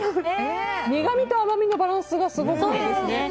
苦みと甘みのバランスがすごくいいですね。